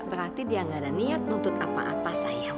berarti dia nggak ada niat nutut apa apa sayang